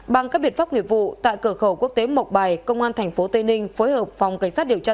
bằng các biện pháp nghiệp vụ tại cửa khẩu quốc tế mộc bài công an tp tây ninh phối hợp phòng cảnh sát điều tra